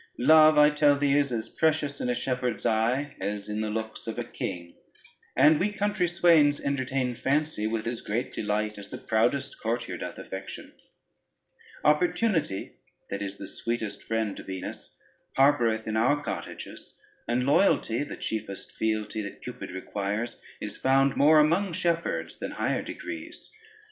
Love, I tell thee, is as precious in a shepherd's eye, as in the looks of a king, and we country swains entertain fancy with as great delight as the proudest courtier doth affection. Opportunity, that is the sweetest friend to Venus, harboreth in our cottages, and loyalty, the chiefest fealty that Cupid requires, is found more among shepherds than higher degrees.